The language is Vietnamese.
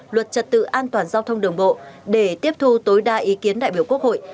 luật trật tự an toàn giao thông đường bộ để tiếp thu tối đa ý kiến đại biểu quốc hội